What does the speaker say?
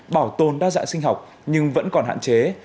bảo tồn đa dạng sinh học nhưng vẫn còn hạn chế